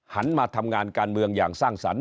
มาทำงานการเมืองอย่างสร้างสรรค